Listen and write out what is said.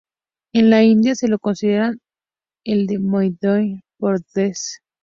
En la India se lo considera el de Madhya Pradesh.